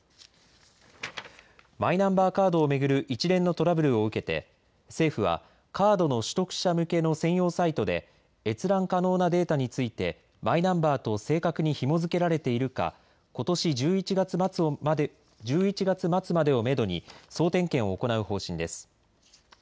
マイナンバーカードを巡る一連のトラブルを受けて政府はカードの取得者向けの専用サイトで閲覧可能なデータについてマイナンバーと正確にひも付けられているかことし１１月末までをめどに総点検を行う方針です。